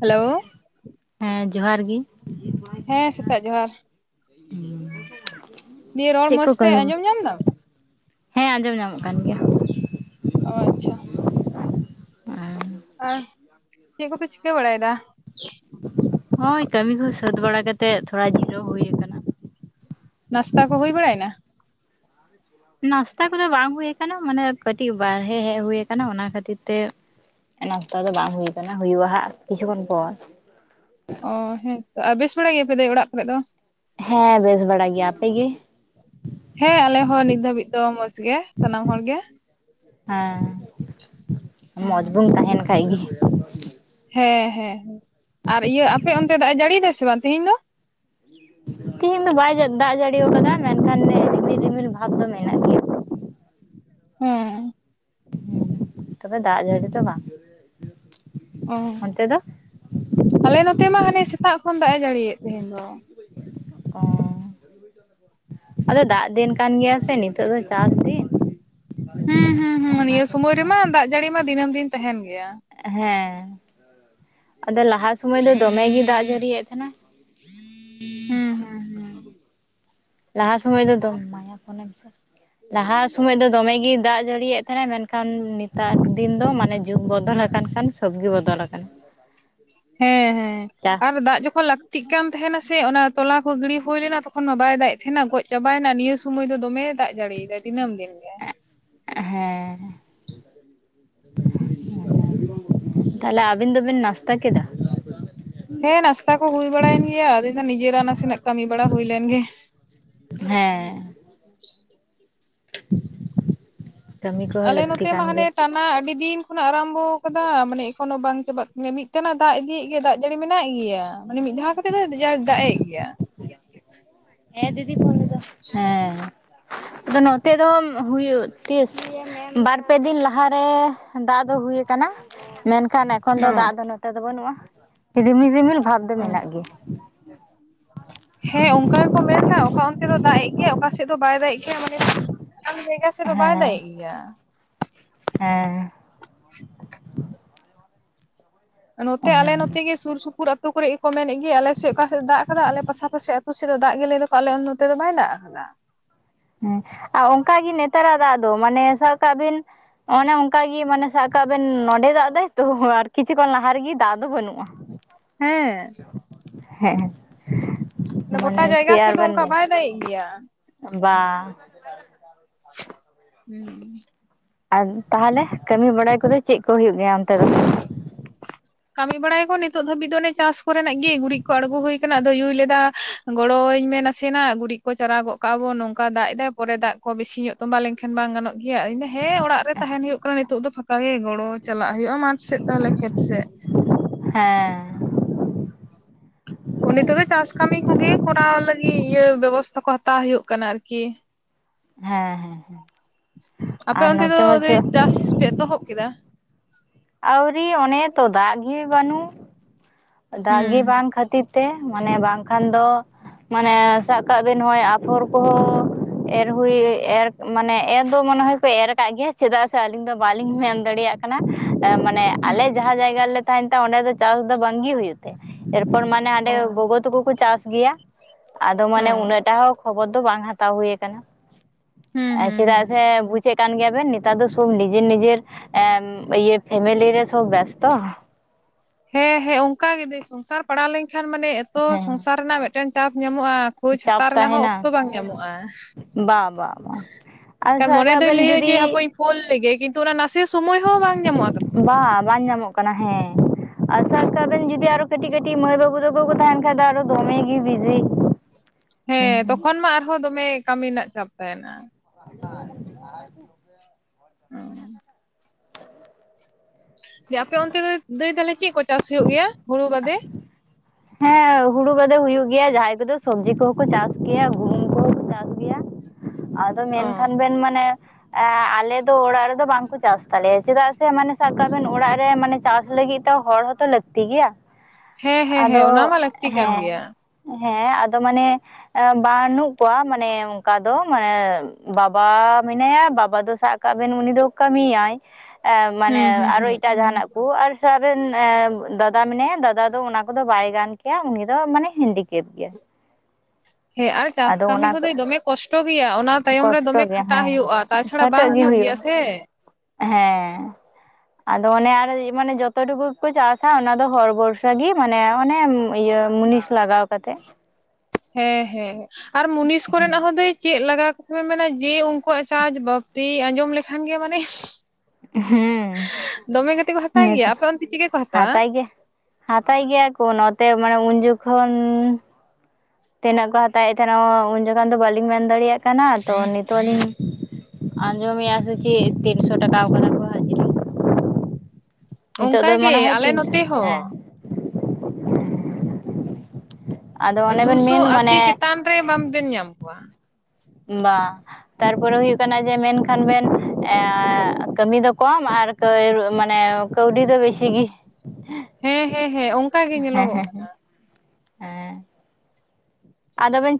ᱦᱮ ᱞᱳ ᱦᱮᱸ ᱡᱚᱦᱟᱨ ᱜᱮ ᱦᱮᱸ ᱥᱮᱛᱟᱜ ᱡᱚᱦᱟᱨ [unintelligible] ᱫᱤᱭᱟᱹ ᱨᱚᱲ ᱪᱮᱫ ᱢᱚᱸᱡᱽ ᱠᱚ ᱛᱮ ᱠᱟᱹᱢᱤ ᱟᱸᱡᱚᱢ ᱧᱟᱢ ᱫᱟᱢ? ᱦᱮᱸ ᱟᱸᱡᱚᱢ ᱧᱟᱢᱚᱜ ᱠᱟᱱ ᱜᱮᱭᱟ᱾ ᱚ ᱟᱪᱪᱷᱟ ᱟᱨ ᱪᱮᱫ ᱠᱚᱯᱮ ᱪᱤᱠᱟᱹ ᱵᱟᱲᱟᱭᱮᱫᱟ? ᱦᱳᱭ ᱠᱟᱹᱢᱤ ᱠᱚ ᱥᱟᱹᱛ ᱵᱟᱲᱟ ᱠᱟᱛᱮᱫ ᱛᱷᱚᱲᱟ ᱡᱤᱨᱟᱹᱣ ᱦᱳᱭ ᱟᱠᱟᱱᱟ ᱾ ᱱᱟᱥᱛᱟ ᱠᱚ ᱦᱩᱭ ᱵᱟᱲᱟᱭ ᱱᱟ? ᱱᱟᱥᱛᱟ ᱠᱚᱫᱚ ᱵᱟᱝ ᱦᱩᱭᱩ ᱟᱠᱟᱱᱟ ᱢᱟᱱᱮ ᱠᱟᱹᱴᱤᱡ ᱵᱟᱨ ᱦᱮ ᱦᱮᱡ ᱦᱩᱭ ᱟᱠᱟᱱᱟ ᱚᱱᱟ ᱠᱷᱟᱹᱛᱤᱨ ᱛᱮ ᱱᱟᱥᱛᱟ ᱫᱚ ᱵᱟᱝ ᱦᱩᱭ ᱠᱟᱱᱟ ᱦᱩᱭᱩᱜᱼᱟ ᱦᱟᱸᱜ ᱠᱤᱪᱷᱩ ᱠᱷᱚᱱ ᱯᱚᱨ ᱚ ᱦᱮᱸ ᱛᱚ ᱟᱨ ᱵᱮᱥ ᱵᱟᱲᱟ ᱜᱮᱭᱟᱯᱮ ᱫᱟᱹᱭ ᱚᱲᱟᱜ ᱠᱚᱨᱮ ᱫᱚ? ᱦᱮᱸ ᱵᱮᱥ ᱵᱟᱲᱟ ᱜᱮᱭᱟ ᱟᱯᱮᱜᱮ ᱦᱮᱸ ᱟᱞᱮᱦᱚ ᱱᱤᱛ ᱫᱷᱟᱹᱵᱤᱡ ᱫᱚ ᱢᱚᱸᱡᱽ ᱜᱮ ᱥᱟᱱᱟᱢ ᱦᱚᱲ ᱜᱮ᱾ ᱦᱮᱸ ᱢᱚᱸᱡᱽ ᱦᱩᱸ, ᱵᱚᱱ ᱛᱟᱦᱮᱱ ᱠᱷᱟᱡ ᱜᱮ, ᱦᱮᱸ ᱻᱦᱮᱸᱻ ᱟᱨ ᱤᱭᱟᱹ ᱟᱯᱮ ᱚᱱᱛᱮ ᱫᱟᱜ ᱮ ᱡᱟᱹᱲᱤ ᱫᱟᱭ ᱥᱮ ᱵᱟᱝ ᱛᱤᱦᱤᱧ ᱫᱚ? ᱛᱤᱦᱤᱧ ᱫᱚ ᱵᱟᱭ ᱫᱟᱜ ᱡᱟᱹᱲᱤ ᱟᱠᱟᱫᱟ, ᱢᱮᱱᱠᱷᱟᱱ ᱨᱤᱢᱤᱞ ᱨᱤᱢᱤᱞ ᱵᱷᱟᱵᱽ ᱫᱚ ᱢᱮᱱᱟᱜ ᱜᱮᱭᱟ᱾ ᱦᱩᱸ ᱦᱮ ᱛᱚᱵᱮ ᱫᱟᱜ ᱡᱟᱹᱲᱤ ᱛᱚ ᱵᱟᱝ ᱚ ᱚᱱᱛᱮ ᱫᱚ ᱟᱞᱮ ᱱᱚᱛᱮ ᱢᱟ ᱦᱟᱱᱮ ᱥᱮᱛᱟᱜ ᱠᱷᱚᱱ ᱫᱟᱜ ᱮ ᱡᱟᱹᱲᱤᱭᱮᱫ ᱛᱟᱦᱮᱧ ᱫᱚ᱾ ᱚ ᱟᱫᱚ ᱫᱟᱜ ᱫᱤᱱ ᱠᱟᱱ ᱜᱮᱭᱟ ᱥᱮ ᱱᱤᱛᱚᱜ ᱫᱚ ᱪᱟᱥ ᱫᱤᱱ ᱦᱮᱸ ᱻᱦᱮᱸᱻ ᱚᱱᱟ ᱱᱤᱭᱟᱹ ᱥᱚᱢᱚᱭ ᱠᱷᱟᱹᱛᱤᱨ ᱨᱮᱢᱟ ᱫᱟᱜ ᱡᱟᱹᱲᱤ ᱢᱟ ᱫᱤᱱᱟᱹᱢ ᱫᱤᱱ ᱛᱟᱦᱮᱱ ᱜᱮᱭᱟ᱾ ᱦᱮᱸ ᱟᱫᱚ ᱞᱟᱦᱟ ᱥᱚᱢᱚᱭ ᱫᱚ ᱫᱚᱢᱮ ᱜᱮ ᱫᱟᱜ ᱡᱟᱹᱲᱤᱭᱮᱫ ᱛᱟᱦᱮᱸᱱᱟ᱾ ᱦᱮᱸᱻ ᱦᱩᱸ ᱻᱦᱮᱸᱻ ᱞᱟᱦᱟ ᱥᱚᱢᱚᱭ ᱫᱚ ᱫᱚᱢᱮ ᱢᱟᱭᱟ ᱥᱮ [unintelligible] ᱞᱟᱦᱟ ᱥᱚᱢᱚᱭ ᱫᱚ ᱫᱚᱢᱮ ᱜᱮ ᱫᱟᱜ ᱡᱟᱹᱲᱤᱭᱮᱫ ᱛᱟᱦᱮᱱᱟ, ᱢᱮᱱᱠᱷᱟᱱ ᱱᱮᱛᱟᱨ ᱫᱤᱱ ᱫᱚ ᱢᱟᱱᱮ ᱡᱩᱜᱽ ᱵᱚᱫᱚᱞ ᱟᱠᱟᱱ ᱠᱷᱟᱱ ᱜᱮ ᱵᱚᱫᱚᱞ ᱟᱠᱟᱱᱟ᱾ ᱦᱮᱸᱻᱦᱮᱸᱻ ᱪᱟ ᱟᱨ ᱫᱟᱜ ᱡᱚᱠᱷᱚᱱ ᱞᱟᱹᱠᱛᱤ ᱠᱟᱱ ᱛᱟᱦᱮᱱᱟ ᱥᱮ ᱚᱱᱟ ᱛᱚᱞᱟ ᱠᱚ ᱜᱤᱲᱤ ᱦᱩᱭ ᱞᱮᱱᱟ ᱛᱚᱠᱷᱚᱱ ᱢᱟ ᱵᱟᱭ ᱫᱟᱜ ᱮ ᱛᱟᱦᱮᱱᱟ ᱜᱚᱡ ᱪᱟᱵᱟᱭ ᱮᱱᱟ ᱱᱤᱭᱟᱹ ᱥᱚᱢᱚᱭ ᱫᱚᱢᱮ ᱫᱟᱜ ᱮ ᱡᱟᱹᱲᱤ ᱮᱫᱟᱭ ᱫᱤᱱᱟᱹᱢ ᱫᱤᱱ ᱜᱮ᱾ ᱦᱮᱸ ᱛᱟᱦᱚᱞᱮ ᱟᱹᱵᱤᱱ ᱫᱚᱵᱤᱱ ᱱᱟᱥᱛᱟ ᱠᱮᱫᱟ? ᱦᱮᱸ ᱱᱟᱥᱛᱟ ᱠᱚ ᱦᱩᱭ ᱵᱟᱲᱟᱭᱮᱱ ᱜᱮᱭᱟ, ᱟᱫᱚ ᱱᱤᱡᱮᱨᱟᱜ ᱱᱟᱥᱮᱱᱟᱜ ᱠᱟᱹᱢᱤ ᱵᱟᱲᱟ ᱦᱩᱭ ᱞᱮᱱ ᱜᱮ᱾ ᱦᱮᱸ [unintelligible] [unintelligible] ᱠᱟᱹᱢᱤ ᱠᱚᱦᱚᱸ ᱞᱟᱹᱠᱛᱤ ᱠᱟᱱ ᱜᱮᱭᱟ᱾ ᱚᱱᱟᱢᱟ ᱟᱹᱰᱤ ᱫᱤᱱ ᱠᱷᱚᱱᱟᱜ ᱟᱨᱟᱢᱵᱷᱚ ᱟᱠᱟᱫᱟ ᱢᱟᱱᱮ ᱮᱠᱷᱚᱱᱳ ᱵᱟᱝ ᱪᱟᱵᱟᱜ ᱠᱟᱱᱟ᱾ ᱢᱤ-ᱢᱤᱫᱴᱟᱱᱟᱜ ᱫᱟᱜ ᱤᱫᱤᱭᱮᱫ ᱜᱮᱭᱟ ᱫᱟᱜ ᱡᱟᱹᱲᱤ ᱢᱮᱱᱟᱜ ᱜᱮᱭᱟ ᱢᱟᱱᱮ ᱢᱤᱫ ᱫᱷᱟᱣ ᱠᱟᱛᱮᱜ ᱫᱚ ᱡᱟᱣ ᱫᱟᱜ ᱮᱫ ᱜᱮᱭᱟ᱾ [unintelligible] ᱦᱮᱸ ᱫᱤᱫᱤ ᱯᱷᱚᱱ ᱞᱮᱫᱟᱭ, ᱦᱮᱸ ᱟᱫᱚ ᱱᱚᱛᱮ ᱫᱚ-ᱚᱢ ᱦᱩᱭᱩᱜ ᱛᱤᱥ ᱵᱟᱨ‌ ᱯᱮ ᱫᱤᱱ ᱞᱟᱦᱟᱨᱮ ᱫᱟᱜ ᱫᱚ ᱦᱩᱭ ᱟᱠᱟᱱᱟ, ᱢᱮᱱᱠᱷᱟᱱ ᱮᱠᱷᱚᱱ ᱫᱚ ᱫᱟᱜ ᱫᱚ ᱱᱚᱛᱮ ᱫᱚ ᱵᱟᱹᱱᱩᱜᱼᱟ, ᱨᱤᱢᱤᱞ ᱨᱤᱢᱤᱞ ᱵᱷᱟᱵᱽ ᱫᱚ ᱚ ᱢᱮᱱᱟᱜ ᱜᱮᱭᱟ᱾ ᱦᱮᱸ ᱚᱱᱠᱟ ᱜᱮᱠᱚ ᱢᱮᱱ ᱮᱫᱟ ᱚᱠᱟ ᱚᱱᱛᱮ ᱫᱚ ᱫᱟᱜ ᱮ ᱜᱮᱭᱟ ᱚᱠᱟ ᱥᱮᱫ ᱫᱚ ᱵᱟᱭ ᱫᱟᱜ ᱮ ᱜᱮᱭᱟ ᱢᱟᱱᱮ [unintelligible] ᱱᱚᱛᱮ ᱫᱚ ᱵᱟᱭ ᱫᱟᱜ‌‌ ᱦᱮᱸ ᱮ ᱜᱮᱭᱟ᱾ ᱦᱮᱸ [unintelligible] ᱱᱚᱛᱮ ᱟᱞᱮ ᱚᱱᱟᱜᱮ ᱱᱚᱛᱮ ᱜᱮ ᱥᱩᱨ ᱥᱩᱯᱩᱨ ᱟᱹᱛᱩ ᱠᱚᱨᱮ ᱜᱮᱠᱚ ᱢᱮᱱᱮᱫ ᱜᱮ ᱟᱞᱮ ᱥᱮᱫ ᱚᱠᱟ ᱥᱮᱫ ᱫᱟ‌ᱜ ᱠᱟᱫᱟᱭ ᱟᱞᱮ ᱯᱟᱥᱟ ᱯᱟᱥᱤ ᱟᱹᱛᱩ ᱥᱮᱫ ᱫᱚ ᱫᱟᱜ ᱜᱮ‌ ᱞᱟᱹᱭ ᱮᱫᱟ ᱟᱞᱮ ᱱᱚᱛᱮ ᱫᱚ ᱵᱟᱭ ᱫᱟᱜ ᱟᱠᱟᱫᱟ᱾ ᱦᱮᱸ ᱟᱨ ᱚᱱᱠᱟᱜᱮ ᱱᱮᱛᱟᱨᱟᱜ ᱫᱟᱜ ᱫᱚ ᱢᱟᱱᱮ ᱥᱟᱵ ᱠᱟᱜ ᱵᱤᱱ ᱚᱱᱮ ᱚᱱᱠᱟᱜ ᱜᱮ ᱢᱟᱱᱮ ᱥᱟᱵ ᱠᱟᱜ ᱵᱮᱱ ᱱᱚᱰᱮ ᱫᱟᱜ ᱫᱟᱭ ᱛᱚ ᱟᱨ ᱠᱤᱪᱷᱩ‌ ᱠᱷᱚᱱ ᱞᱟᱦᱟ ᱨᱮᱜᱮ ᱫᱟᱜ ᱫᱚ ᱵᱟᱹᱱᱩᱜᱼᱟ᱾ ᱦᱮᱸ, [inaudible] ᱦᱮᱸ [unintelligible] [inaudible] ᱜᱚᱴᱟ ᱢᱟᱱᱮ ᱡᱟᱭᱜᱟ ᱪᱮᱫ ᱥᱮᱫ ᱟᱨ ᱫᱚ ᱵᱮᱱ ᱚᱱᱠᱟ ᱵᱟᱭ ᱢᱮᱱᱟ ᱫᱟᱜᱮ-ᱜ ᱜᱮᱭᱟ᱾ ᱵᱟᱝ, ᱦᱩᱸ ᱟᱨ ᱛᱟᱦᱚᱞᱮ ᱠᱟᱹᱢᱤ ᱵᱟᱲᱟ ᱠᱚᱫᱚ ᱪᱮᱫ ᱠᱚ ᱦᱩᱭᱩᱜ ᱜᱮᱭᱟ ᱚᱱᱛᱮ ᱫᱚ, ᱠᱟᱹᱢᱤ ᱵᱟᱲᱟᱭ ᱟᱠᱚ ᱱᱤᱛᱚᱜ ᱫᱷᱟᱹᱵᱤᱡ ᱫᱚ ᱚᱱᱮ ᱪᱟᱥ ᱠᱚᱨᱮᱱᱟᱜ ᱜᱮ ᱜᱩᱨᱤᱡᱽ ᱠᱚ ᱟᱬᱜᱚ ᱦᱩᱭ ᱟᱠᱟᱱᱟ, ᱟᱫᱚᱭ ᱭᱚ ᱞᱟᱹᱭ ᱮᱫᱟ ᱜᱚᱲᱚ ᱟᱹᱧ ᱢᱮ ᱱᱟᱥᱮᱱᱟᱜ ᱜᱩᱨᱤᱡᱽ ᱠᱚ ᱪᱟᱨᱟ ᱜᱚᱫ ᱠᱟᱜᱼᱟ ᱵᱚᱱ, ᱱᱚᱝᱠᱟ ᱫᱟᱜ ᱮᱫᱟ ᱯᱚᱨᱮ ᱫᱟᱜ ᱠᱚ ᱵᱤᱥᱤ ᱧᱚᱜ ᱛᱚᱸᱵᱟ ᱞᱮᱱᱠᱷᱟᱱ ᱵᱟᱝ ᱜᱟᱱᱚᱜ ᱜᱮᱭᱟ ᱤᱧ ᱫᱚ ᱦᱮᱸ ᱚᱲᱟᱜ ᱨᱮ ᱛᱟᱦᱮᱱ ᱦᱩᱭᱩᱜ ᱠᱟᱱᱟ ᱱᱤᱛᱚᱜ ᱫᱚ ᱯᱷᱟᱠᱟ ᱜᱮ ᱜᱚᱲᱚ ᱪᱟᱞᱟᱜ ᱦᱳᱭᱳᱜ-ᱟ ᱢᱟᱴᱷ ᱥᱮᱫ ᱛᱟᱦᱞᱮ ᱠᱷᱮᱛᱥ [unintelligible] ᱦᱮᱸ ᱩᱱᱤ ᱛᱮᱫᱚ ᱪᱟᱥ ᱠᱟᱢᱤ ᱠᱚᱜᱮ ᱠᱚᱨᱟᱣ ᱞᱟᱜᱤᱫ ᱤᱭᱟᱹ ᱵᱮᱵᱚᱥᱛᱷᱟ ᱠᱚ ᱦᱟᱛᱟᱣ ᱦᱳᱭᱳᱜ ᱠᱟᱱᱟ ᱟᱨᱠᱤ ᱦᱮᱸ ᱦᱮᱸ ᱦᱮᱸ ᱟᱯᱮ ᱚᱱᱛᱮ ᱫᱚ ᱫᱟᱹᱭ ᱪᱟᱥ ᱯᱮ ᱮᱛᱚᱦᱚᱵ ᱠᱮᱫᱟ᱾ ᱟᱣᱨᱤ ᱚᱱᱮ ᱛᱚ ᱫᱟᱜ ᱜᱮ ᱵᱟᱱᱩᱜ᱾ ᱫᱟᱜ ᱜᱮ ᱦᱩᱸ ᱵᱟᱝ ᱠᱷᱟᱛᱤᱨ ᱛᱮ ᱢᱟᱱᱮ ᱵᱟᱝᱠᱷᱟᱱ ᱫᱚ ᱢᱟᱱᱮ ᱥᱟᱵ ᱠᱟᱜ ᱵᱮᱱ ᱱᱚᱜ-ᱚᱭ ᱟᱯᱯᱷᱚᱨ ᱠᱚᱦᱚᱸ ᱮᱨ ᱦᱩᱭ ᱮᱨ ᱢᱟᱱᱮ ᱮᱨ ᱫᱚ ᱢᱚᱱᱮ ᱦᱚᱭᱯᱮ ᱮᱨ ᱠᱟᱜ ᱜᱮᱭᱟ ᱪᱮᱫᱟᱜ ᱥᱮ ᱟᱹᱞᱤᱧ ᱫᱚ ᱵᱟᱞᱤᱧ ᱢᱮᱱ ᱫᱟᱲᱮᱭᱟᱜ ᱠᱟᱱᱟ᱾ ᱢᱟᱱᱮ ᱦᱩᱸ ᱟᱞᱮ ᱡᱟᱸᱦᱟᱸ ᱡᱟᱭᱜᱟ ᱨᱮᱞᱮ ᱛᱟᱦᱮᱱ ᱛᱟᱦᱮᱸ ᱚᱸᱰᱮ ᱫᱚ ᱪᱟᱥ ᱫᱚ ᱵᱟᱝᱜᱤ ᱦᱩᱭᱩᱜ᱾ ᱮᱨᱯᱚᱨ ᱢᱟᱱᱮ ᱚ ᱦᱟᱸᱰᱮ ᱜᱚᱜᱚ ᱛᱚᱠᱩ ᱠᱩ ᱪᱟᱥ ᱜᱮᱭᱟ ᱟᱫᱚ ᱚ ᱢᱟᱱᱮ ᱩᱱᱟᱹᱜᱴᱟ ᱦᱚᱸ ᱠᱷᱚᱵᱚᱨ ᱫᱚ ᱵᱟᱝ ᱦᱟᱛᱟᱣ ᱦᱩᱭ ᱠᱟᱱᱟ [inaudible] ᱦᱩᱸ [inaudible] ᱮ ᱦᱩᱸ ᱪᱮᱫᱟᱜ ᱦᱩᱸ ᱥᱮ ᱵᱩᱪ ᱪᱮᱫ ᱠᱟᱱ ᱜᱮᱭᱟᱵᱮᱱ ᱱᱮᱛᱟᱨ ᱫᱚ ᱥᱩᱵ ᱱᱤᱡᱮᱨ ᱱᱤᱡᱮᱨ ᱮᱱ ᱤᱭᱟᱹ ᱯᱷᱮᱢᱮᱞᱤ ᱨᱮ ᱥᱚᱵ ᱵᱮᱥᱛᱚ᱾ ᱦᱮᱸ ᱦᱮᱸ ᱚᱝᱠᱟᱜᱮ ᱫᱟᱹᱭ ᱥᱚᱝᱥᱟᱨ ᱯᱟᱲᱟᱣ ᱞᱮᱱᱠᱷᱟᱱ ᱢᱟᱱᱮ ᱮᱛᱚ ᱦᱮᱸ ᱥᱚᱝᱥᱟᱨ ᱨᱮᱱᱟᱜ ᱢᱤᱫᱴᱮᱱ ᱪᱟᱯ ᱧᱟᱢᱚᱜ-ᱟ᱾ ᱠᱷᱳᱡ ᱪᱟᱯ ᱦᱟᱛᱟᱣ ᱨᱮᱱᱟᱜ ᱦᱚᱸ ᱛᱟᱦᱮᱱᱟ ᱚᱠᱛᱚ ᱵᱟᱝ ᱧᱟᱢᱚᱜ-ᱟ᱾ ᱵᱟ [inaudible] ᱵᱟ ᱵᱟ [inaudible] ᱟᱨ [inaudible] ᱮ ᱥᱟᱵ ᱢᱚᱱᱮ ᱠᱟᱜ ᱫᱚᱭ ᱵᱮᱱ ᱞᱟᱹᱭᱟ ᱡᱮ ᱡᱩᱫᱤ ᱦᱟᱯᱮᱧ ᱯᱳᱞ ᱞᱮᱜᱮ ᱠᱤᱱᱛᱩ ᱚᱱᱟ ᱱᱟᱥᱮ ᱥᱚᱢᱚᱭ ᱦᱚᱸ ᱵᱟᱝ ᱧᱟᱢᱚᱜ-ᱟ ᱛᱚ᱾ ᱵᱟ ᱵᱟᱝ ᱧᱟᱢᱚᱜ ᱠᱟᱱᱟ ᱦᱮᱸ ᱟᱥᱟ ᱠᱟᱜ ᱵᱮᱱ ᱡᱩᱫᱤ ᱟᱨᱚ ᱠᱟᱹᱴᱤᱡ ᱠᱟᱹᱴᱤᱡ ᱢᱟᱹᱭ ᱵᱟᱵᱩ ᱫᱚ [unintelligible] ᱠᱚ ᱛᱟᱦᱮᱱ ᱠᱷᱟᱡ ᱫᱚ ᱟᱨᱚ ᱫᱚᱢᱮ ᱜᱮ ᱵᱤᱡᱤ᱾ ᱦᱮᱸ ᱛᱚᱠᱷᱚᱱ ᱢᱟ ᱟᱨᱦᱚᱸ ᱫᱚᱢᱮ ᱠᱟᱢᱤ ᱨᱮᱱᱟᱜ ᱪᱟᱯ ᱛᱟᱦᱮᱱᱟ᱾ [unintelligible] ᱚ [unintelligible] ᱡᱮ ᱟᱯᱮ ᱚᱱᱛᱮ ᱫᱟᱹᱭ ᱛᱟᱦᱞᱮ ᱪᱮᱫ ᱠᱚ ᱪᱟᱥ ᱦᱳᱭᱳᱜ ᱜᱮᱭᱟ ᱾ ᱦᱩᱲᱩ ᱵᱟᱫᱮ ᱦᱮᱸ ᱦᱩᱲᱩ ᱠᱚᱫᱚ ᱦᱩᱭᱩᱜ ᱜᱮᱭᱟ ᱡᱟᱸᱦᱟᱸᱭ ᱠᱚᱫᱚ ᱥᱚᱵᱽᱡᱤ ᱠᱚᱦᱚᱸ ᱠᱚ ᱪᱟᱥ ᱜᱮᱭᱟ ᱜᱩᱦᱩᱢ ᱠᱚᱦᱚᱸ ᱪᱟᱥ ᱜᱮᱭᱟ ᱾ ᱟᱫᱚ ᱚ ᱢᱮᱱᱠᱷᱟᱱ ᱵᱮᱱ ᱢᱟᱱᱮ ᱟᱞᱮ ᱫᱚ ᱚᱲᱟᱜ ᱨᱮᱫᱚ ᱵᱟᱝᱠᱚ ᱪᱟᱥ ᱛᱟᱞᱮᱭᱟ ᱪᱮᱫᱟᱜ ᱥᱮ ᱢᱟᱱᱮ ᱥᱟᱵ ᱠᱟᱜᱵᱮᱱ ᱚᱲᱟᱜ ᱨᱮ ᱢᱟᱱᱮ ᱪᱟᱥ ᱞᱟᱹᱜᱤᱫ ᱛᱚ ᱦᱚᱲ ᱦᱚᱛᱚ ᱞᱟᱹᱠᱛᱤ ᱜᱮᱭᱟ ᱦᱮᱸ ᱦᱮᱸ ᱦᱮᱸ ᱚᱱᱟ ᱟᱫᱚ ᱢᱟ ᱞᱟᱹᱠᱛᱤ ᱠᱟᱱ ᱜᱮᱭᱟ ᱦᱮᱸ ᱦᱮᱸ ᱟᱫᱚ ᱢᱟᱱᱮ ᱵᱟᱱᱩᱜ ᱠᱚᱣᱟ ᱢᱟᱱᱮ ᱚᱱᱠᱟ ᱫᱚ ᱢᱟᱱᱮ ᱵᱟᱵᱟ ᱢᱮᱱᱟᱭᱟ ᱵᱟᱵᱟ ᱫᱚᱦᱟᱜ ᱥᱟᱜ ᱠᱟᱜ ᱵᱮᱱ ᱩᱱᱤ ᱫᱚ ᱠᱟᱢᱤᱭᱟᱭ ᱮ ᱢᱟᱱᱮ ᱦᱩᱸ ᱦᱩᱸ ᱟᱨᱚ ᱦᱩᱸ ᱮᱴᱟᱜ ᱡᱟᱦᱟᱱᱟᱜ ᱠᱩ ᱟᱨ ᱥᱟᱵᱮᱱ ᱫᱟᱫᱟ ᱢᱮᱱᱟᱭᱟ ᱫᱟᱫᱟ ᱫᱚ ᱚᱱᱟ ᱠᱚᱫᱚ ᱵᱟᱭ ᱜᱟᱱ ᱠᱮᱭᱟ ᱩᱱᱤ ᱫᱚ ᱢᱟᱱᱮ ᱦᱮᱱᱰᱤᱠᱮᱯ ᱜᱮᱭᱟ᱾ ᱦᱮᱸ ᱟᱨ ᱪᱟᱥ ᱠᱟᱢᱤ ᱦᱚᱸ ᱠᱚ ᱫᱟᱹᱭ ᱫᱚᱢᱮ ᱠᱚᱥᱴᱚ ᱜᱮᱭᱟ ᱚᱱᱟ ᱛᱟᱭᱚᱢ ᱨᱮ ᱠᱚᱥᱴᱚ ᱫᱚᱢᱮ ᱜᱮᱭᱟ ᱠᱷᱟᱴᱟᱜ ᱦᱮᱸ ᱦᱳᱭᱩᱜᱼᱟ ᱛᱟᱪᱷᱟᱲᱟ ᱵᱟᱝ ᱠᱷᱟᱴᱟᱜ ᱜᱮ ᱦᱩᱭᱩᱜ ᱦᱩᱭᱩᱜᱼᱟ ᱜᱮᱭᱟ ᱥᱮ ᱾ ᱦᱮᱸ ᱟᱫᱚ ᱚᱱᱮ ᱟᱨ ᱢᱟᱱᱮ ᱡᱚᱛᱚ ᱴᱩᱠᱩ ᱠᱩ ᱪᱟᱥᱟ ᱚᱱᱟ ᱫᱚ ᱦᱚᱲ ᱵᱚᱨᱥᱟ ᱜᱤ ᱢᱟᱱᱮ ᱚᱱᱮ ᱤᱭᱟᱹ ᱢᱩᱱᱤᱥ ᱞᱟᱜᱟᱣ ᱠᱟᱛᱮᱜ ᱦᱮᱸ ᱦᱮᱸ ᱟᱨ ᱢᱩᱱᱤᱥ ᱠᱚᱨᱮᱱᱟᱜ ᱦᱚᱸ ᱫᱟᱹᱭ ᱪᱮᱫ ᱞᱟᱜᱟ ᱢᱮᱱᱟ ᱡᱮ ᱩᱱᱠᱩᱣᱟᱜ ᱪᱟᱡᱽ ᱵᱟᱯᱨᱮ ᱟᱸᱡᱚᱢ ᱞᱮᱠᱷᱟᱱ ᱜᱮ ᱢᱟᱱᱮ ᱦᱩᱸ ᱫᱚᱢᱮ ᱠᱟᱛᱮ ᱠᱚ ᱦᱟᱛᱟᱣ ᱜᱮᱭᱟ ᱱᱮᱛᱟᱨ ᱟᱯᱮ ᱚᱱᱛᱮ ᱪᱤᱠᱟᱹ ᱠᱚ ᱦᱟᱛᱟᱣᱟ ᱦᱟᱛᱟᱭ ᱜᱮ ᱦᱟᱛᱟᱭ ᱜᱮᱭᱟ ᱠᱚ ᱱᱚᱛᱮ ᱢᱟᱱᱮ ᱩᱱ ᱡᱚᱠᱷᱚᱱ ᱛᱤᱱᱟᱹᱜ ᱠᱚ ᱦᱟᱛᱟᱣᱮᱫ ᱛᱟᱦᱮᱱᱟ ᱩᱱ ᱡᱚᱠᱷᱚᱱ ᱫᱚ ᱵᱟᱹᱞᱤᱧ ᱢᱮᱱ ᱫᱟᱲᱮᱭᱟᱜ ᱠᱟᱱᱟ ᱛᱚ ᱱᱤᱛᱚᱜ ᱞᱤᱧ ᱟᱡᱚᱢᱤᱜ-ᱟ ᱥᱮᱪᱮᱜ ᱛᱤᱱᱥᱚ ᱴᱟᱠᱟᱣ ᱠᱟᱱᱟ ᱾ ᱱᱤᱛᱚᱜ ᱚᱝᱠᱟ ᱫᱚ ᱜᱮ ᱢᱚᱱᱮ ᱦᱚᱭ ᱟᱞᱮ ᱛᱤᱱᱥᱚ ᱱᱚᱛᱮ ᱦᱚᱸ ᱦᱮᱸ ᱟᱫᱚ ᱚᱱᱮ ᱵᱮᱱ ᱫᱩᱥᱚ ᱢᱮᱱ ᱟᱥᱤ ᱢᱟᱱᱮ ᱪᱮᱛᱟᱱ ᱨᱮ ᱵᱟᱢ ᱵᱮᱱ ᱧᱟᱢ ᱠᱚᱣᱟ ᱾ ᱵᱟᱸ ᱛᱟᱨᱯᱚᱨᱮ ᱦᱩᱭᱩᱜ ᱠᱟᱱᱟ ᱡᱮ ᱢᱮᱱᱠᱷᱟᱱ ᱵᱮᱱ ᱮ ᱠᱟᱹᱢᱤ ᱫᱚ ᱠᱚᱢ ᱟᱨ ᱢᱟᱱᱮ ᱠᱟᱹᱣᱰᱤ ᱫᱚ ᱵᱮᱥᱤ ᱜᱤ ᱦᱮᱸ ᱦᱮᱸ ᱦᱮᱸ ᱚᱱᱠᱟ ᱜᱮ ᱦᱮᱸ ᱧᱮᱞᱚᱜᱚᱜ ᱦᱮᱸ ᱦᱮᱸᱻ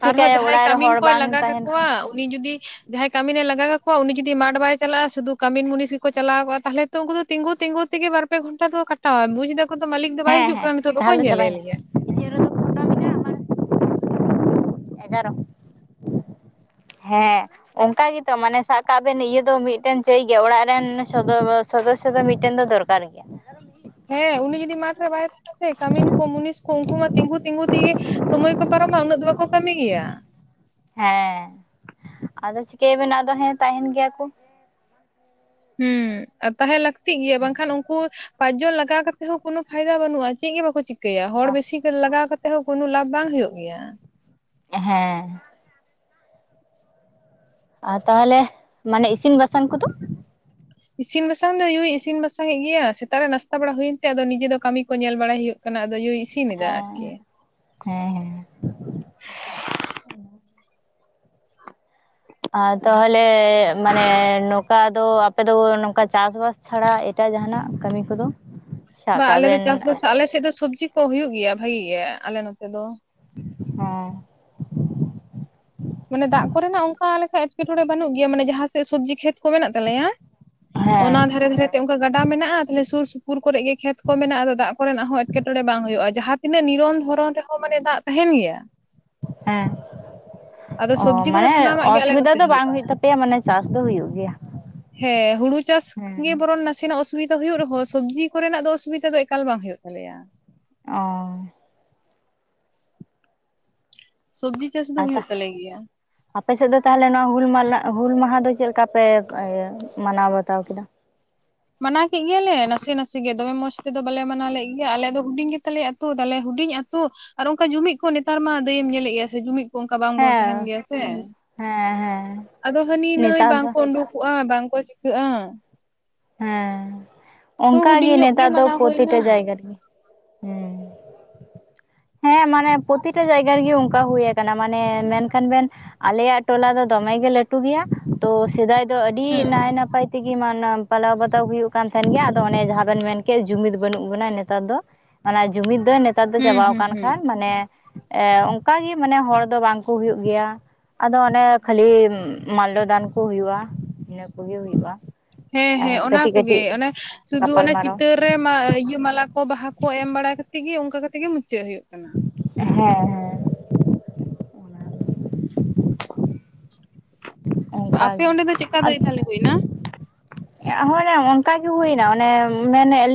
ᱟᱨᱦᱚᱸ ᱡᱟᱦᱟᱸᱭ ᱚᱲᱟᱜ ᱨᱮ ᱠᱟᱹᱢᱤᱱ ᱦᱚᱲ ᱠᱚᱭ ᱵᱟᱝ ᱞᱟᱜᱟ ᱛᱟᱦᱮᱱ ᱠᱷᱟᱱ ᱠᱟᱠᱚᱣᱟ ᱩᱱᱤ ᱡᱩᱫᱤ ᱡᱟᱸᱦᱟᱸᱭ ᱠᱟᱹᱢᱤᱱᱮ ᱞᱟᱜᱟ ᱠᱟᱠᱚᱣᱟ ᱩᱱᱤ ᱡᱩᱫᱤ ᱢᱟᱴ ᱵᱟᱭ ᱪᱟᱞᱟᱜ-ᱟ ᱥᱩᱫᱩ ᱠᱟᱹᱢᱤ ᱢᱩᱱᱤᱥ ᱜᱮᱠᱚ ᱪᱟᱞᱟᱣ ᱠᱚᱜ-ᱟ ᱛᱟᱦᱞᱮ ᱛᱚ ᱩᱱᱠᱩ ᱫᱚ ᱛᱤᱜᱩ ᱛᱤᱜᱩ ᱛᱮᱜᱮ ᱵᱟᱨ ᱯᱮ ᱜᱷᱚᱱᱴᱟ ᱫᱚ ᱠᱚᱴᱟᱣᱟ ᱢᱩᱡᱽ ᱮᱫᱟ ᱫᱚ ᱢᱟᱹᱞᱤᱠ ᱫᱚ ᱵᱟᱭ ᱦᱮᱸ ᱦᱤᱡᱩᱜ ᱦᱮᱸ ᱠᱟᱱ ᱱᱤᱛᱚᱜ ᱫᱚ ᱚᱠᱚᱭ ᱛᱟᱦᱚᱞᱮ ᱧᱮᱞ ᱪᱟᱵᱟᱭᱮᱱᱟ ᱞᱮᱭᱟ᱾ ᱮᱜᱟᱨᱚ? ᱦᱮᱸ᱾ ᱚᱱᱠᱟ ᱜᱮᱛᱚ ᱢᱟᱱᱮ ᱥᱟᱜ ᱠᱟᱜ ᱵᱮᱱ ᱤᱭᱟᱹ ᱫᱚ ᱢᱤᱫᱴᱮᱱ ᱪᱟᱹᱭ ᱜᱮᱭᱟ ᱚᱲᱟᱜ ᱨᱮᱱ [unintelligible] ᱥᱚᱫᱚᱥᱥᱚ ᱫᱚ ᱢᱤᱫᱴᱮᱱ ᱫᱚ ᱫᱚᱨᱠᱟᱨ ᱜᱮᱭᱟ᱾ ᱦᱮᱸ ᱩᱱᱤ ᱡᱩᱫᱤ ᱢᱟᱴᱷ ᱨᱮ ᱵᱟᱭ ᱛᱟᱦᱮᱸᱱᱟ ᱥᱮ ᱠᱟᱹᱢᱤᱱ ᱠᱚ ᱢᱩᱱᱤᱥ ᱠᱚ ᱩᱱᱠᱩ ᱢᱟ ᱛᱤᱸᱜᱩ ᱛᱤᱸᱜᱩ ᱛᱤᱼ ᱥᱚᱢᱚᱭ ᱠᱚ ᱯᱟᱨᱚᱢᱟ ᱩᱱᱟᱹᱜ ᱫᱚ ᱵᱟᱠᱚ ᱠᱟᱹᱢᱤᱭ ᱜᱮᱭᱟ᱾ ᱦᱮᱸ, ᱟᱫᱚ ᱪᱤᱠᱟᱹᱭᱟ ᱵᱮᱱ ᱟᱫᱚ ᱦᱮᱸ ᱛᱟᱦᱮᱱ ᱜᱮᱭᱟ ᱠᱚ᱾ ᱦᱩᱸ, ᱟ ᱛᱟᱦᱮᱸ ᱞᱟᱹᱠᱛᱤᱜ ᱜᱮᱭᱟ ᱵᱟᱝᱠᱷᱟᱱ ᱩᱱᱠᱩ ᱯᱟᱸᱪᱡᱚᱱ ᱞᱟᱜᱟᱣ ᱠᱟᱛᱮᱫ ᱦᱚᱸ ᱠᱚᱱᱚ ᱯᱷᱟᱭᱫᱟ ᱵᱟᱹᱱᱩᱜᱼᱟ ᱪᱮᱫ ᱜᱮ ᱵᱟᱠᱚ ᱪᱤᱠᱟᱹᱭᱟ᱾ ᱦᱚᱲ ᱵᱟ ᱵᱮᱥᱤ ᱞᱟᱜᱟᱣ ᱠᱟᱛᱮᱜ ᱦᱚᱸ ᱠᱚᱱᱚ ᱞᱟᱵᱷ ᱵᱟᱝ ᱦᱩᱭᱩᱜ ᱜᱮᱭᱟ᱾ ᱦᱮᱸ᱾ ᱟᱨ ᱛᱟᱦᱞᱮ ᱢᱟᱱᱮ ᱤᱥᱤᱱ ᱵᱟᱥᱟᱝ ᱠᱚᱫᱚ? ᱤᱥᱤᱱ ᱵᱟᱥᱟᱝ ᱫᱚ ᱭᱳᱭ ᱤᱥᱤᱱ ᱵᱟᱥᱟᱝ ᱮᱫ ᱜᱮᱭᱟ᱾ ᱥᱮᱛᱟᱜ ᱨᱮ ᱱᱟᱥᱛᱟ ᱵᱟᱲᱟ ᱦᱩᱭᱮᱱᱛᱮ ᱟᱫᱚ ᱱᱤᱡᱮ ᱫᱚ ᱠᱟᱹᱢᱤ ᱠᱚ ᱧᱮᱞ ᱵᱟᱲᱟᱭ ᱦᱩᱭᱩᱜ ᱠᱟᱱᱟ ᱟᱫᱚ ᱭᱳᱭ ᱤᱥᱤᱱᱮᱫᱟ ᱟᱨᱠᱤ᱾ ᱦᱮᱸ ᱦᱮᱸ ᱦᱮᱸ ᱟᱨ ᱛᱟᱦᱚᱞᱮ ᱢᱟᱱᱮ ᱱᱚᱝᱠᱟ ᱫᱚ ᱟᱯᱮᱫᱚ ᱱᱚᱝᱠᱟ ᱪᱟᱥ ᱵᱟᱥ ᱪᱷᱟᱲᱟ ᱮᱴᱟᱜ ᱡᱟᱦᱟᱱᱟᱜ ᱠᱟᱹᱢᱤ ᱠᱚᱫᱚ? ᱥᱟᱵ ᱵᱟ ᱠᱟᱜ ᱟᱞᱮ ᱫᱚ ᱵᱮᱱ ᱪᱟᱥᱵᱟᱥ ᱟᱞᱮᱥᱮᱫ ᱫᱚ ᱥᱚᱵᱡᱤ ᱠᱚ ᱦᱩᱭᱩᱜ ᱜᱮᱭᱟ ᱵᱷᱟᱜᱤ ᱜᱮ ᱟᱞᱮ ᱱᱚᱛᱮ ᱫᱚ᱾ ᱦᱚᱸ, ᱢᱟᱱᱮ ᱫᱟᱜ ᱠᱚᱨᱮᱱᱟᱜ ᱚᱱᱠᱟ ᱞᱮᱠᱟ ᱮᱴᱠᱮᱴᱚᱬᱮ ᱵᱟᱹᱱᱩᱜ ᱜᱮᱭᱟ ᱢᱟᱱᱮ ᱡᱟᱦᱟᱸ ᱥᱮᱫ ᱥᱚᱵᱽᱡᱤ ᱠᱷᱮᱛ ᱠᱚ ᱢᱮᱱᱟᱜ ᱛᱟᱞᱮᱭᱟ ᱦᱮᱸ ᱚᱱᱟ ᱫᱷᱟᱨᱮ ᱫᱷᱟᱨᱮᱛᱮ ᱚᱱᱠᱟ ᱜᱟᱰᱟ ᱢᱮᱱᱟᱜᱼᱟ ᱛᱮ ᱥᱩᱨ ᱥᱩᱯᱩᱨ ᱠᱚᱨᱮ ᱜᱮ ᱠᱷᱮᱛ ᱠᱚ ᱢᱮᱱᱟᱜᱼᱟ ᱟᱫᱚ ᱫᱟᱜ ᱠᱚᱨᱮᱱᱟᱜ ᱦᱚᱸ ᱮᱴᱠᱮᱴᱚᱬᱮ ᱵᱟᱝ ᱦᱩᱭᱩᱜᱼᱟ᱾ ᱡᱟᱦᱟᱸ ᱛᱤᱱᱟᱹᱜ ᱱᱤᱨᱚᱱ ᱫᱷᱚᱨᱚᱱ ᱨᱮᱦᱚᱸ ᱢᱟᱱᱮ ᱫᱟᱜ ᱛᱟᱦᱮᱱ ᱜᱮᱭᱟ᱾ ᱦᱮᱸ, ᱟᱫᱚ ᱚ ᱥᱚᱵᱽᱡᱤ ᱠᱚᱫᱚ ᱢᱟᱱᱮ ᱥᱟᱱᱟᱢᱟᱜ ᱜᱮ ᱟᱞᱮ ᱱᱚᱛᱮ ᱚᱥᱩᱵᱤᱫᱟ ᱫᱚ ᱵᱟᱝ ᱦᱩᱭᱩᱜᱼᱟ ᱦᱩᱭᱩᱜ ᱛᱟᱯᱮᱭᱟ, ᱢᱟᱱᱮ ᱪᱟᱥ ᱫᱚ ᱦᱩᱭᱩᱜ ᱜᱮᱭᱟ᱾ ᱦᱮᱸ, ᱦᱩᱲᱩ ᱪᱟᱥ ᱜᱮ ᱦᱮᱸ ᱵᱚᱨᱚᱱ ᱱᱟᱥᱮᱱᱟᱜ ᱚᱥᱩᱵᱤᱫᱟ ᱦᱳᱭᱳᱜ ᱨᱮᱦᱚᱸ ᱥᱚᱵᱽᱡᱤ ᱠᱚᱨᱮᱱᱟᱜ ᱫᱚ ᱚᱥᱩᱵᱤᱫᱟ ᱫᱚ ᱮᱠᱟᱞ ᱵᱟᱝ ᱦᱳᱭᱳᱜ ᱛᱟᱞᱮᱭᱟ᱾ ᱚ, ᱥᱚᱵᱽᱡᱤ ᱪᱟᱥ ᱫᱚ ᱦᱳᱭᱳᱜ ᱛᱟᱞᱮ ᱜᱮᱭᱟ᱾ ᱟᱯᱮᱥᱮᱫ ᱫᱚ ᱛᱟᱦᱚᱞᱮ ᱱᱚᱣᱟ ᱦᱩᱞ ᱢᱟᱞ ᱱᱟᱜ ᱦᱩᱞ ᱢᱟᱦᱟ ᱫᱚ ᱪᱮᱫ ᱞᱮᱠᱟ ᱯᱮ ᱢᱟᱱᱟᱣ ᱵᱟᱛᱟᱣ ᱠᱮᱫᱟ? ᱢᱟᱱᱟᱣ ᱠᱮᱫ ᱜᱮᱭᱟᱞᱮ ᱱᱟᱥᱮ ᱱᱟᱥᱮ ᱜᱮ, ᱫᱚᱢᱮ ᱢᱚᱸᱡᱽ ᱛᱮᱫᱚ ᱵᱟᱞᱮ ᱢᱟᱱᱟᱣ ᱞᱮᱫ ᱜᱮᱭᱟ ᱟᱞᱮ ᱫᱚ ᱦᱩᱰᱤᱧ ᱜᱮᱛᱟᱞᱮᱭᱟ ᱟᱛᱼᱼ ᱛᱩ ᱛᱟᱞᱮ ᱦᱩᱰᱤᱧ ᱟᱛᱳ ᱟᱨ ᱚᱱᱠᱟ ᱡᱩᱢᱤᱫ ᱠᱚ ᱱᱮᱛᱟᱨ ᱢᱟ ᱫᱟᱹᱭᱮᱢ ᱧᱮᱞᱮᱫ ᱜᱮᱭᱟ ᱥᱮ ᱡᱩᱢᱤᱫ ᱚᱱᱠᱟ ᱵᱟᱝᱵᱚᱱ ᱛᱟᱦᱮᱱ ᱦᱮᱸ ᱜᱮᱭᱟ ᱥᱮ᱾ ᱦᱮᱸ ᱦᱮᱸ ᱟᱫᱚ ᱦᱟᱹᱱᱤ ᱱᱟᱹᱭ ᱱᱮᱛᱟᱨ ᱫᱚ ᱵᱟᱝᱠᱚ ᱩᱸᱰᱩᱠᱚᱜᱼᱟ ᱵᱟᱝ ᱠᱚ ᱪᱤᱠᱟᱹᱜᱼᱟ᱾ ᱦᱮᱸ, ᱛᱚ ᱚᱱᱠᱟᱜ ᱜᱮ ᱦᱩᱰᱤᱧ ᱧᱚᱜ ᱱᱮᱛᱟᱨ ᱫᱚ ᱢᱟᱱᱟᱣ ᱯᱨᱚᱛᱤᱴᱟ ᱦᱩᱭᱱᱟ ᱡᱟᱭᱜᱟ ᱨᱮᱜᱮ᱾ ᱦᱮᱸ, ᱦᱮᱸ ᱢᱟᱱᱮ ᱯᱨᱚᱛᱤᱴᱟ ᱡᱟᱭᱜᱟ ᱨᱮᱜᱮ ᱚᱱᱠᱟ ᱦᱩᱭ ᱟᱨᱼᱼ ᱢᱟᱱᱮ ᱢᱮᱱᱠᱷᱟᱱ ᱵᱮᱱ ᱟᱞᱮᱭᱟᱜ ᱴᱚᱞᱟ ᱫᱚ ᱫᱚᱢᱮ ᱜᱮ ᱞᱟᱹᱴᱩ ᱜᱮᱭᱟ ᱛᱚ ᱥᱮᱫᱟᱭ ᱫᱚ ᱟᱹᱰᱤ ᱦᱩᱸ ᱱᱟᱭ ᱱᱟᱯᱟᱭ ᱛᱮᱜᱮ ᱢᱟᱱᱟᱼᱼ ᱯᱟᱞᱟᱣ ᱵᱟᱛᱟᱣ ᱦᱩᱭᱩᱜ ᱠᱟᱱ ᱛᱟᱦᱮᱱ ᱜᱮᱭᱟ ᱟᱫᱚ ᱚᱱᱮ ᱡᱟᱦᱟᱸ ᱵᱮᱱ ᱢᱮᱱ ᱠᱮᱫ ᱡᱩᱢᱤᱫ ᱵᱟᱹᱱᱩᱜ ᱵᱚᱱᱟ ᱱᱮᱛᱟᱨ ᱫᱚ᱾ ᱢᱟᱱᱮ ᱡᱩᱢᱤᱫ ᱫᱚ ᱱᱮᱛᱟᱨ ᱫᱚ ᱦᱩᱸ ᱦᱩᱸ ᱪᱟᱵᱟᱣᱟᱠᱟᱱ ᱦᱩᱸ ᱠᱷᱟᱡ ᱢᱟᱱᱮ ᱮ ᱚᱱᱠᱟᱜᱮ ᱢᱟᱱᱮ ᱦᱚᱲ ᱫᱚ ᱵᱟᱝ ᱠᱚ ᱦᱩᱭᱩᱜ ᱜᱮᱭᱟ᱾ ᱟᱫᱚ ᱚᱱᱮ ᱠᱷᱟᱹᱞᱤ ᱢᱟᱞᱰᱚ ᱫᱟᱱᱠᱩ ᱦᱩᱭᱩᱜᱼᱟ᱾ ᱤᱱᱟᱹᱠᱚᱜᱤ ᱦᱩᱭᱩᱜᱼᱟ᱾ ᱦᱮᱸ ᱦᱮᱸ ᱚᱱᱟ ᱠᱟᱹᱴᱤᱡ ᱠᱚᱜᱮ ᱠᱟᱹᱴᱤᱡ ᱚᱱᱮ ᱥᱩᱫᱩ ᱜᱟᱯᱟᱞ ᱚᱱᱮ ᱢᱟᱨᱟᱣ ᱪᱤᱛᱟᱹᱨ᱾ ᱨᱮ ᱢᱟ ᱤᱭᱟᱹ ᱢᱟᱞᱟ ᱠᱚ ᱵᱟᱦᱟ ᱠᱚ ᱮᱢ ᱵᱟᱲᱟ ᱠᱟᱛᱮᱜ ᱜᱮ ᱚᱱᱠᱟ ᱠᱟᱛᱮ ᱜᱮ ᱢᱩᱪᱟᱹᱜ ᱦᱩᱭᱩᱜ ᱠᱟᱱᱟ᱾ ᱦᱮᱸ ᱦᱮᱸ᱾ ᱟᱯᱮ ᱚᱱᱠᱟᱜᱮ ᱚᱸᱰᱮ ᱫᱚ ᱪᱮᱠᱟ ᱫᱟᱹᱭ ᱛᱟᱦᱞᱮ ᱦᱩᱭ ᱱᱟ? ᱮᱸᱜ ᱦᱩᱭᱱᱟ ᱚᱱᱠᱟ ᱜᱤ ᱦᱩᱭᱱᱟ ᱚᱱᱮ ᱢᱮᱱᱮᱫ